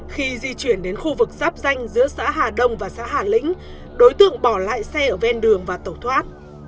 khi di chuyển đến khu vực giáp danh giữa xã hà đông và xã hà lĩnh đối tượng bỏ lại xe ở ven đường và tẩu thoát